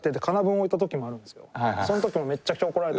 その時もめちゃくちゃ怒られた。